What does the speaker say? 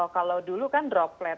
kalau dulu kan droplet